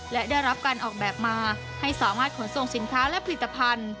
และได้รับการออกแบบมาให้สามารถขนส่งสินค้าและผลิตภัณฑ์